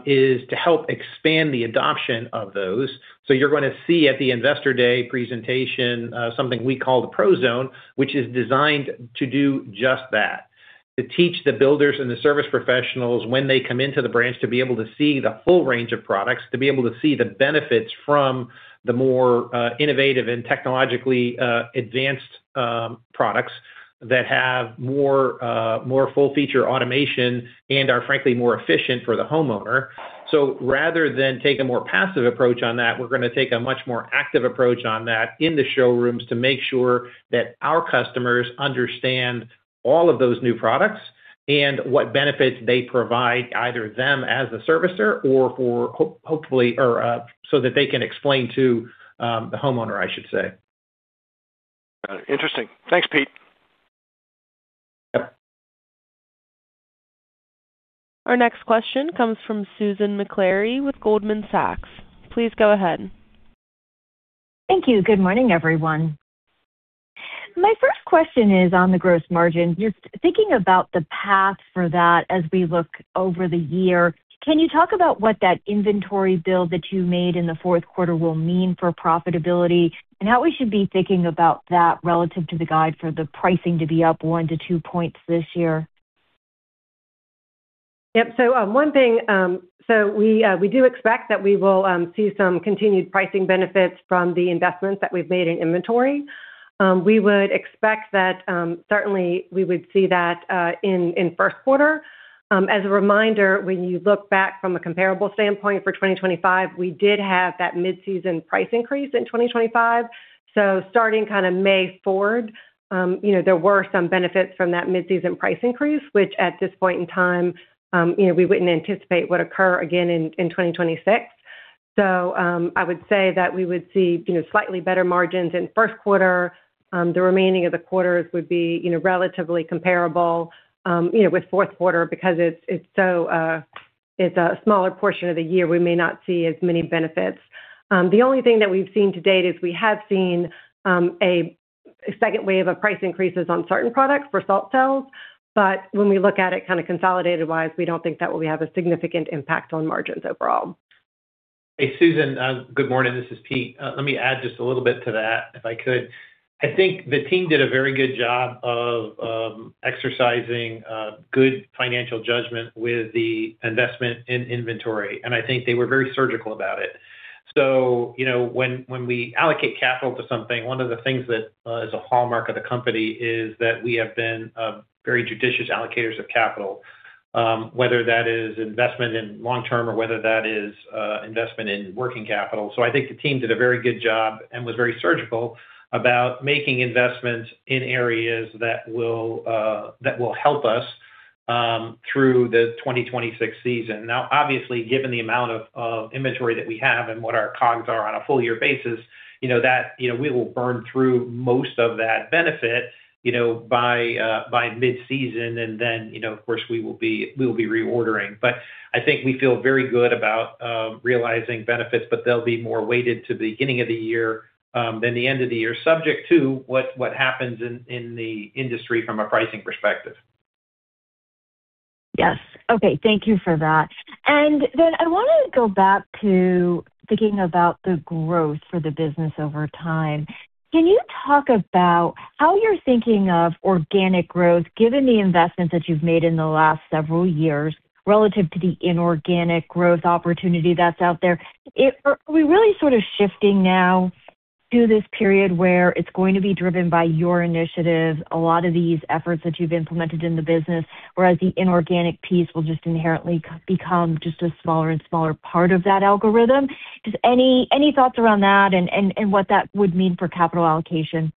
is to help expand the adoption of those. So you're gonna see at the Investor Day presentation, something we call the ProZone, which is designed to do just that. To teach the builders and the service professionals when they come into the branch, to be able to see the full range of products, to be able to see the benefits from the more innovative and technologically advanced products that have more more full feature automation and are, frankly, more efficient for the homeowner. So rather than take a more passive approach on that, we're gonna take a much more active approach on that in the showrooms to make sure that our customers understand all of those new products and what benefits they provide, either them as a servicer or for hopefully, or, so that they can explain to the homeowner, I should say. Got it. Interesting. Thanks, Pete. Yep. Our next question comes from Susan Maklari with Goldman Sachs. Please go ahead. Thank you. Good morning, everyone. My first question is on the gross margin. You're thinking about the path for that as we look over the year. Can you talk about what that inventory build that you made in the fourth quarter will mean for profitability, and how we should be thinking about that relative to the guide for the pricing to be up 1-2 points this year? Yep. So, one thing, so we, we do expect that we will see some continued pricing benefits from the investments that we've made in inventory. We would expect that, certainly, we would see that, in, in first quarter. As a reminder, when you look back from a comparable standpoint for 2025, we did have that mid-season price increase in 2025. So starting kind of May forward, you know, there were some benefits from that mid-season price increase, which at this point in time, you know, we wouldn't anticipate would occur again in, in 2026. So, I would say that we would see, you know, slightly better margins in first quarter. The remaining of the quarters would be, you know, relatively comparable, you know, with fourth quarter because it's so, it's a smaller portion of the year, we may not see as many benefits. The only thing that we've seen to date is a second wave of price increases on certain products for salt cells. But when we look at it kind of consolidated-wise, we don't think that will have a significant impact on margins overall. Hey, Susan, good morning. This is Pete. Let me add just a little bit to that, if I could. I think the team did a very good job of exercising good financial judgment with the investment in inventory, and I think they were very surgical about it. So, you know, when we allocate capital to something, one of the things that is a hallmark of the company is that we have been very judicious allocators of capital, whether that is investment in long term or whether that is investment in working capital. So I think the team did a very good job and was very surgical about making investments in areas that will help us through the 2026 season. Now, obviously, given the amount of inventory that we have and what our COGS are on a full year basis, you know, that you know, we will burn through most of that benefit, you know, by mid-season, and then, you know, of course, we will be reordering. But I think we feel very good about realizing benefits, but they'll be more weighted to the beginning of the year than the end of the year, subject to what happens in the industry from a pricing perspective. Yes. Okay. Thank you for that. And then I want to go back to thinking about the growth for the business over time. Can you talk about how you're thinking of organic growth, given the investments that you've made in the last several years, relative to the inorganic growth opportunity that's out there? If—are we really sort of shifting now to this period where it's going to be driven by your initiative, a lot of these efforts that you've implemented in the business, whereas the inorganic piece will just inherently become just a smaller and smaller part of that algorithm? Just any, any thoughts around that and, and, and what that would mean for capital allocation?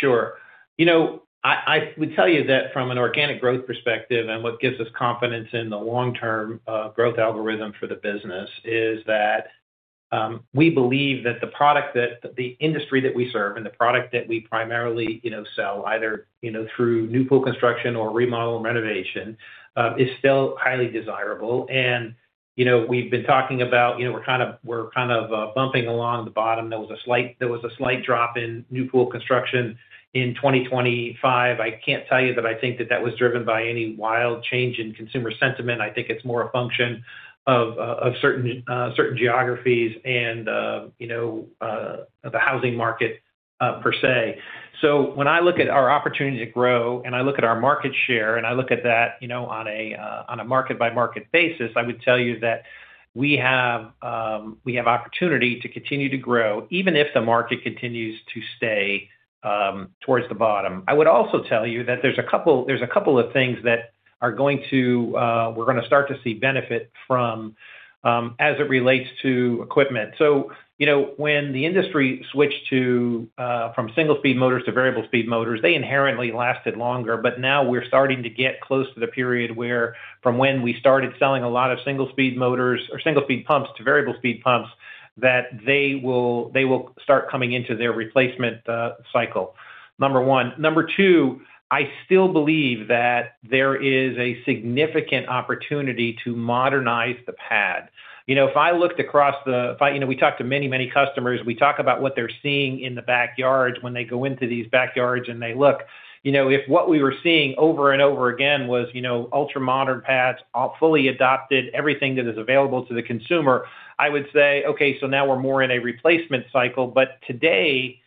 Sure. You know, I would tell you that from an organic growth perspective and what gives us confidence in the long-term growth algorithm for the business, is that, we believe that the product that the industry that we serve and the product that we primarily, you know, sell, either, you know, through new pool construction or remodel and renovation, is still highly desirable. You know, we've been talking about, you know, we're kind of bumping along the bottom. There was a slight drop in new pool construction in 2025. I can't tell you that I think that that was driven by any wild change in consumer sentiment. I think it's more a function of certain geographies and, you know, the housing market, per se. So, when I look at our opportunity to grow and I look at our market share, and I look at that, you know, on a market-by-market basis, I would tell you that we have, we have opportunity to continue to grow, even if the market continues to stay towards the bottom. I would also tell you that there's a couple, there's a couple of things that are going to, we're gonna start to see benefit from, as it relates to equipment. So, you know, when the industry switched from single-speed motors to variable-speed motors, they inherently lasted longer. But now we're starting to get close to the period where from when we started selling a lot of single-speed motors or single-speed pumps to variable-speed pumps, that they will, they will start coming into their replacement cycle, number one. Number two, I still believe that there is a significant opportunity to modernize the pad. You know, if I looked across the, you know, we talk to many, many customers, we talk about what they're seeing in the backyards when they go into these backyards, and they look. You know, if what we were seeing over and over again was, you know, ultramodern pads, all fully adopted, everything that is available to the consumer, I would say, "Okay, so now we're more in a replacement cycle." But today,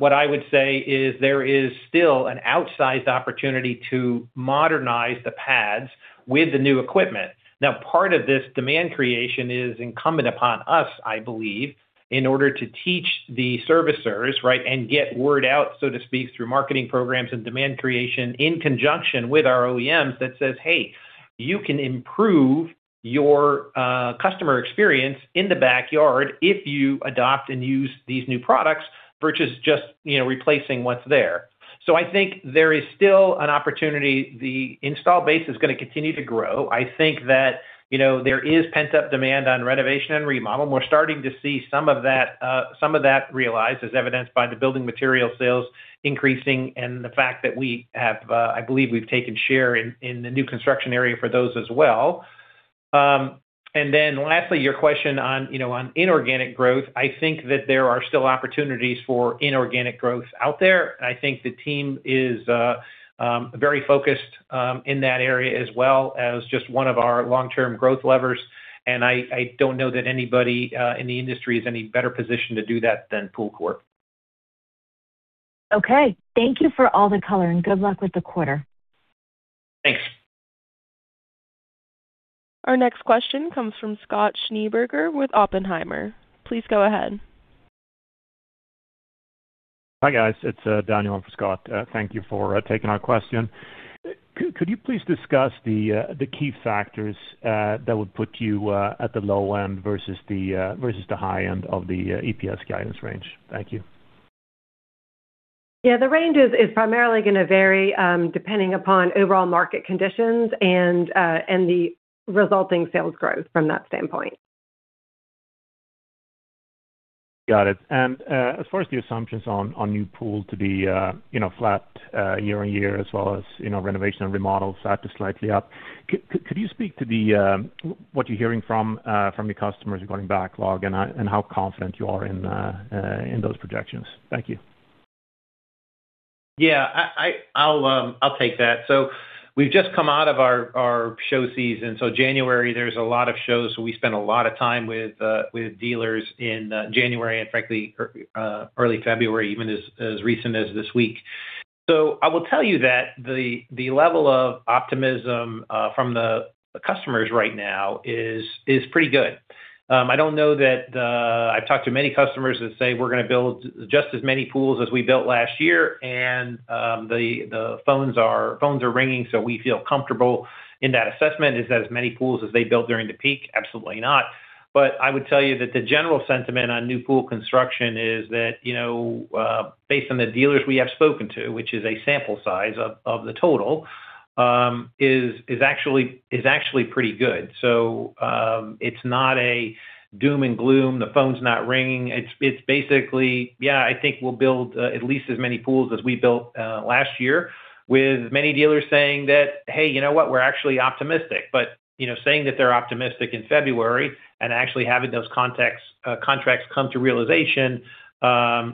what I would say is there is still an outsized opportunity to modernize the pads with the new equipment. Now, part of this demand creation is incumbent upon us, I believe, in order to teach the servicers, right, and get word out, so to speak, through marketing programs and demand creation, in conjunction with our OEMs, that says, "Hey, you can improve your customer experience in the backyard if you adopt and use these new products versus just, you know, replacing what's there." So I think there is still an opportunity. The install base is gonna continue to grow. I think that, you know, there is pent-up demand on renovation and remodel. We're starting to see some of that, some of that realized, as evidenced by the building material sales increasing and the fact that we have, I believe we've taken share in, in the new construction area for those as well. And then lastly, your question on, you know, on inorganic growth. I think that there are still opportunities for inorganic growth out there. I think the team is very focused in that area as well, as just one of our long-term growth levers, and I don't know that anybody in the industry is any better positioned to do that than PoolCorp. Okay. Thank you for all the color, and good luck with the quarter. Thanks. Our next question comes from Scott Schneeberger with Oppenheimer. Please go ahead. Hi, guys. It's Daniel in for Scott. Thank you for taking our question. Could you please discuss the key factors that would put you at the low end versus the high end of the EPS guidance range? Thank you. Yeah, the range is primarily gonna vary depending upon overall market conditions and the resulting sales growth from that standpoint. Got it. And, as far as the assumptions on new pool to be, you know, flat year-over-year, as well as, you know, renovation and remodel set to slightly up. Could you speak to what you're hearing from your customers regarding backlog and how confident you are in those projections? Thank you. Yeah, I'll take that. So we've just come out of our show season. So January, there's a lot of shows, so we spent a lot of time with dealers in January and frankly early February, even as recent as this week. So I will tell you that the level of optimism from the customers right now is pretty good. I don't know that I've talked to many customers that say we're gonna build just as many pools as we built last year, and the phones are ringing, so we feel comfortable in that assessment. Is that as many pools as they built during the peak? Absolutely not. But I would tell you that the general sentiment on new pool construction is that, you know, based on the dealers we have spoken to, which is a sample size of the total, is actually pretty good. So, it's not a doom and gloom, the phone's not ringing. It's basically, yeah, I think we'll build at least as many pools as we built last year, with many dealers saying that, "Hey, you know what? We're actually optimistic." But, you know, saying that they're optimistic in February and actually having those contracts come to realization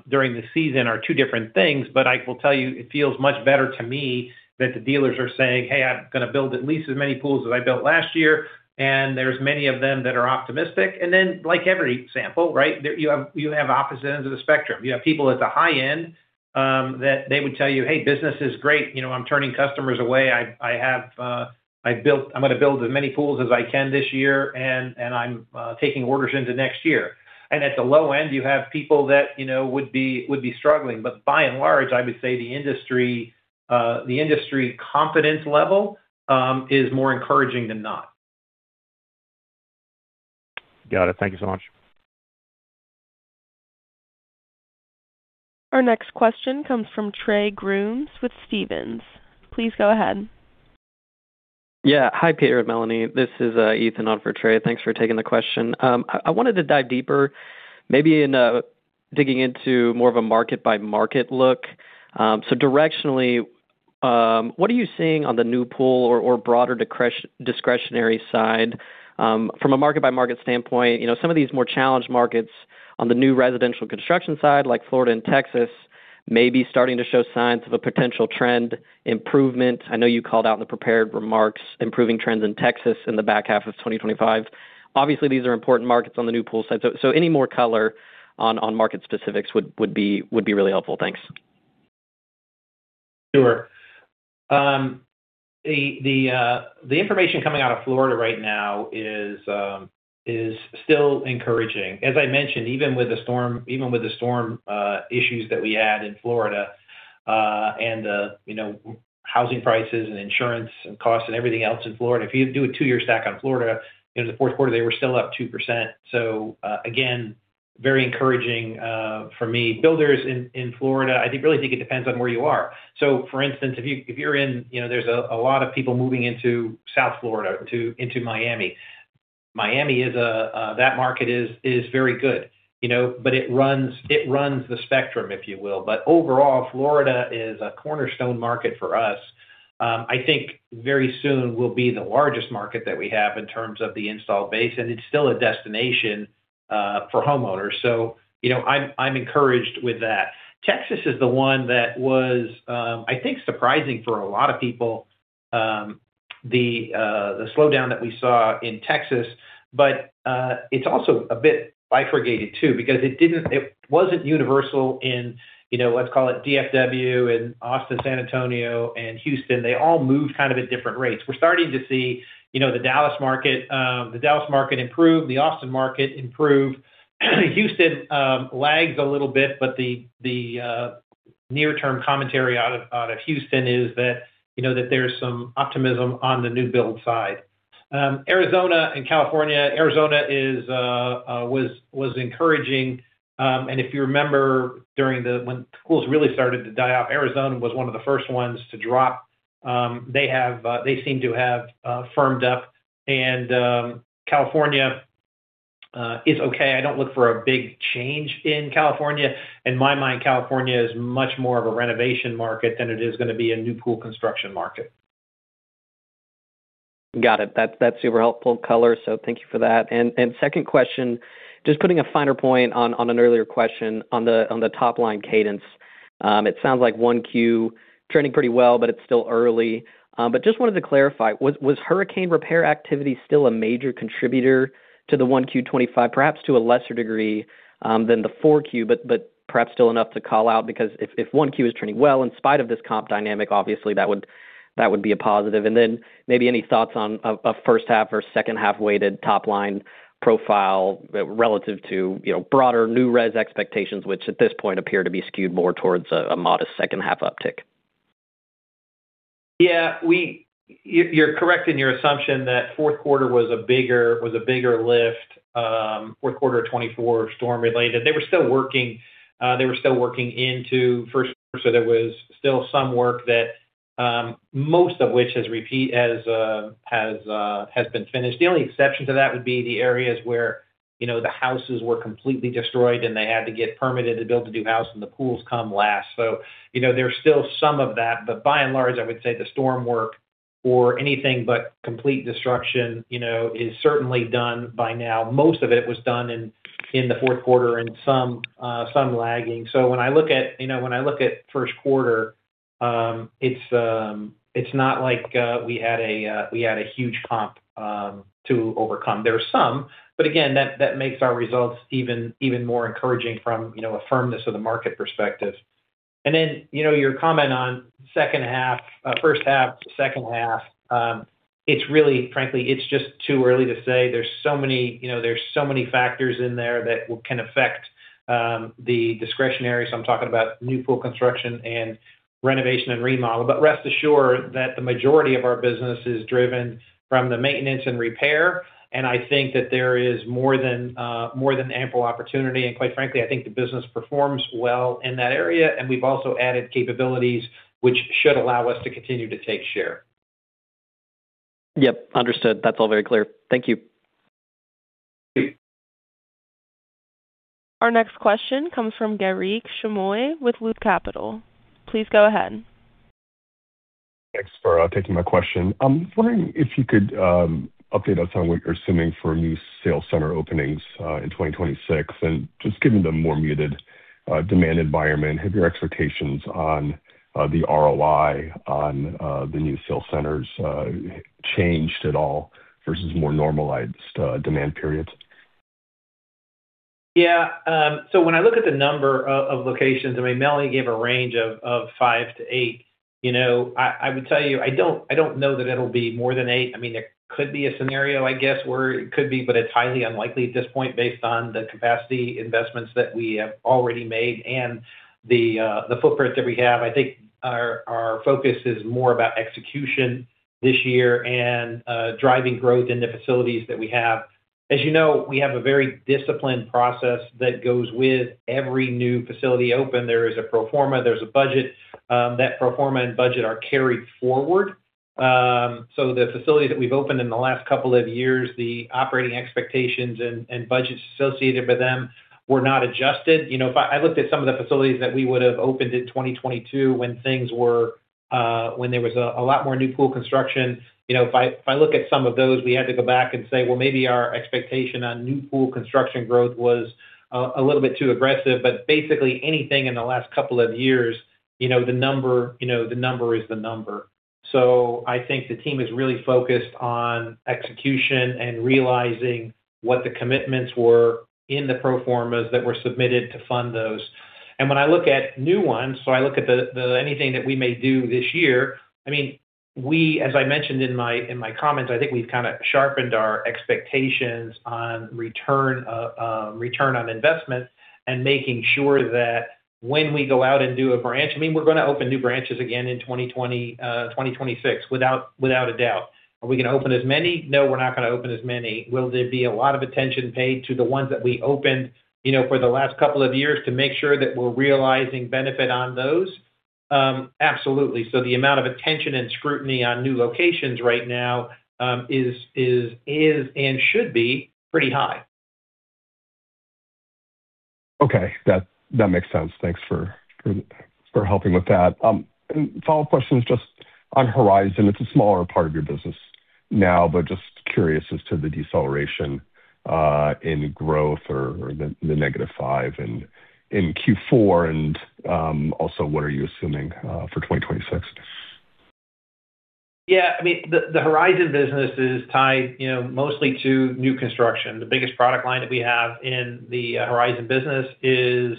during the season are two different things. But I will tell you, it feels much better to me that the dealers are saying, "Hey, I'm gonna build at least as many pools as I built last year," and there's many of them that are optimistic. Then, like every sample, right, there you have, you have opposite ends of the spectrum. You have people at the high end that they would tell you, "Hey, business is great, you know, I'm turning customers away. I have, I'm gonna build as many pools as I can this year, and I'm taking orders into next year." And at the low end, you have people that, you know, would be struggling, but by and large, I would say the industry confidence level is more encouraging than not. Got it. Thank you so much. Our next question comes from Trey Grooms with Stephens. Please go ahead. Yeah. Hi, Peter and Melanie, this is Ethan on for Trey. Thanks for taking the question. I wanted to dive deeper, digging into more of a market-by-market look. So directionally, what are you seeing on the new pool or broader discretionary side? From a market-by-market standpoint, you know, some of these more challenged markets on the new residential construction side, like Florida and Texas, may be starting to show signs of a potential trend improvement. I know you called out in the prepared remarks improving trends in Texas in the back half of 2025. Obviously, these are important markets on the new pool side, so any more color on market specifics would be really helpful. Thanks. Sure. The information coming out of Florida right now is still encouraging. As I mentioned, even with the storm, even with the storm issues that we had in Florida, and you know, housing prices and insurance and costs and everything else in Florida, if you do a two-year stack on Florida, in the fourth quarter, they were still up 2%. So, again, very encouraging for me. Builders in Florida, I think really think it depends on where you are. So, for instance, if you, if you're in. You know, there's a lot of people moving into South Florida, to into Miami. Miami is that market is very good, you know, but it runs, it runs the spectrum, if you will. But overall, Florida is a cornerstone market for us. I think very soon will be the largest market that we have in terms of the install base, and it's still a destination for homeowners. So, you know, I'm, I'm encouraged with that. Texas is the one that was, I think, surprising for a lot of people, the slowdown that we saw in Texas, but it's also a bit bifurcated too, because it didn't, it wasn't universal in, you know, let's call it DFW and Austin, San Antonio, and Houston. They all moved kind of at different rates. We're starting to see, you know, the Dallas market, the Dallas market improve, the Austin market improve, Houston lags a little bit, but the near-term commentary out of Houston is that, you know, that there's some optimism on the new build side. Arizona and California. Arizona is encouraging, and if you remember, when the pools really started to die off, Arizona was one of the first ones to drop. They seem to have firmed up and California is okay. I don't look for a big change in California. In my mind, California is much more of a renovation market than it is gonna be a new pool construction market. Got it. That's super helpful color, so thank you for that. And second question, just putting a finer point on an earlier question on the top-line cadence. It sounds like 1Q trending pretty well, but it's still early. But just wanted to clarify, was hurricane repair activity still a major contributor to the 1Q 2025? Perhaps to a lesser degree than the 4Q, but perhaps still enough to call out, because if 1Q is trending well, in spite of this comp dynamic, obviously that would be a positive. And then maybe any thoughts on a first half or second half-weighted top-line profile relative to, you know, broader new res expectations, which at this point appear to be skewed more towards a modest second half uptick. Yeah, you're correct in your assumption that fourth quarter was a bigger lift, fourth quarter of 2024, storm-related. They were still working into first quarter, so there was still some work that, most of which has been finished. The only exception to that would be the areas where, you know, the houses were completely destroyed, and they had to get permitted to build the new house, and the pools come last. So, you know, there's still some of that, but by and large, I would say the storm work or anything but complete destruction, you know, is certainly done by now. Most of it was done in the fourth quarter and some lagging. So when I look at, you know, when I look at first quarter, it's not like we had a huge hump to overcome. There are some, but again, that makes our results even more encouraging from, you know, a firmness of the market perspective. And then, you know, your comment on second half, first half, second half, it's really, frankly, just too early to say. There's so many, you know, factors in there that can affect the discretionary. So I'm talking about new pool construction and renovation and remodel. But rest assured that the majority of our business is driven from the maintenance and repair, and I think that there is more than more than ample opportunity, and quite frankly, I think the business performs well in that area, and we've also added capabilities which should allow us to continue to take share.... Yep, understood. That's all very clear. Thank you. Our next question comes from Garik Shmois with Loop Capital. Please go ahead. Thanks for taking my question. I'm wondering if you could update us on what you're assuming for new sales center openings in 2026, and just given the more muted demand environment, have your expectations on the ROI on the new sales centers changed at all versus more normalized demand periods? Yeah, so when I look at the number of locations, I mean, Melanie gave a range of 5-8. You know, I would tell you, I don't know that it'll be more than eight. I mean, there could be a scenario, I guess, where it could be, but it's highly unlikely at this point, based on the capacity investments that we have already made and the footprint that we have. I think our focus is more about execution this year and driving growth in the facilities that we have. As you know, we have a very disciplined process that goes with every new facility open. There is a pro forma, there's a budget. That pro forma and budget are carried forward. So the facilities that we've opened in the last couple of years, the operating expectations and budgets associated with them were not adjusted. You know, if I looked at some of the facilities that we would have opened in 2022 when things were, when there was a lot more new pool construction. You know, if I look at some of those, we had to go back and say: Well, maybe our expectation on new pool construction growth was a little bit too aggressive, but basically anything in the last couple of years, you know, the number, you know, the number is the number. So I think the team is really focused on execution and realizing what the commitments were in the pro formas that were submitted to fund those. When I look at new ones, so I look at anything that we may do this year. I mean, we as I mentioned in my comments, I think we've kind of sharpened our expectations on return on investment and making sure that when we go out and do a branch, I mean, we're gonna open new branches again in 2026, without a doubt. Are we gonna open as many? No, we're not gonna open as many. Will there be a lot of attention paid to the ones that we opened, you know, for the last couple of years to make sure that we're realizing benefit on those? Absolutely. So the amount of attention and scrutiny on new locations right now is and should be pretty high. Okay, that makes sense. Thanks for helping with that. And follow-up question, just on Horizon, it's a smaller part of your business now, but just curious as to the deceleration in growth or the negative 5 in Q4, and also, what are you assuming for 2026? Yeah, I mean, the Horizon business is tied, you know, mostly to new construction. The biggest product line that we have in the Horizon business is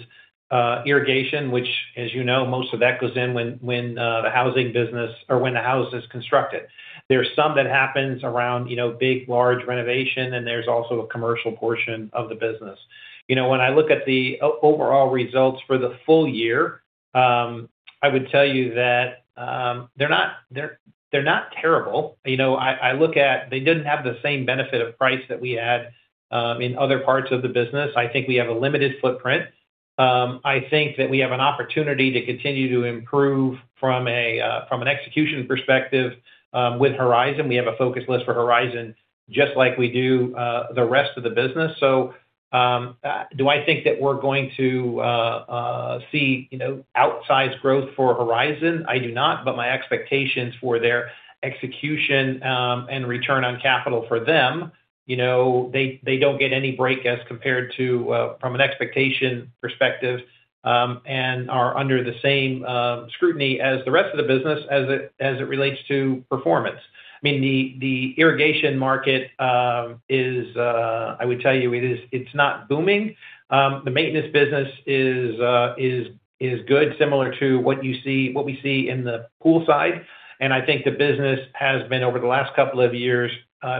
irrigation, which, as you know, most of that goes in when the housing business or when the house is constructed. There's some that happens around, you know, big, large renovation, and there's also a commercial portion of the business. You know, when I look at the overall results for the full year, I would tell you that they're not terrible. You know, I look at—they didn't have the same benefit of price that we had in other parts of the business. I think we have a limited footprint. I think that we have an opportunity to continue to improve from a from an execution perspective with Horizon. We have a Focus List for Horizon, just like we do, the rest of the business. So, do I think that we're going to see, you know, outsized growth for Horizon? I do not. But my expectations for their execution and return on capital for them, you know, they don't get any break as compared to from an expectation perspective and are under the same scrutiny as the rest of the business as it relates to performance. I mean, the irrigation market is, I would tell you it is, it's not booming. The maintenance business is good, similar to what you see, what we see in the pool side, and I think the business has been, over the last couple of years,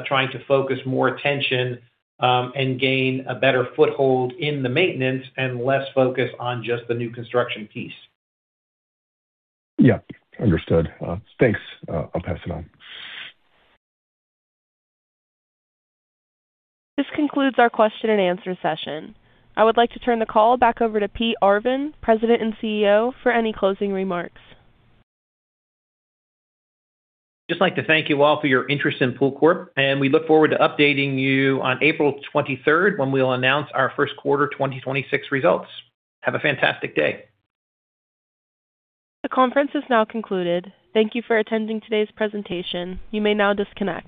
trying to focus more attention and gain a better foothold in the maintenance and less focus on just the new construction piece. Yeah, understood. Thanks. I'll pass it on. This concludes our question and answer session. I would like to turn the call back over to Pete Arvan, President and CEO, for any closing remarks. Just like to thank you all for your interest in PoolCorp, and we look forward to updating you on April 23rd, when we'll announce our first quarter 2026 results. Have a fantastic day. The conference is now concluded. Thank you for attending today's presentation. You may now disconnect.